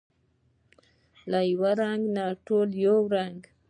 له یوه رنګه، ټوله یو رنګه